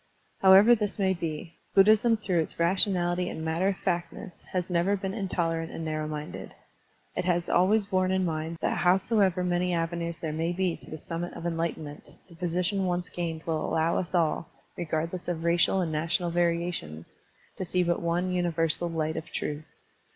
However this may be. Buddhism through its rationality and matter of fact ness has never been intolerant and narrow minded. It has always borne in mind that howsoever many avenues there may be to the summit of enlight enment, the position once gained will allow us all, regardless of racial and national variations, to see but one universal light of truth.